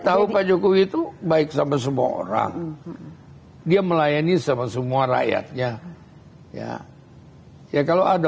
tahu pak jokowi itu baik sama semua orang dia melayani sama semua rakyatnya ya kalau ada